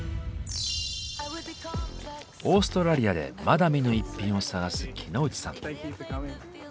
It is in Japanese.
オーストラリアでまだ見ぬ逸品を探す木野内さん。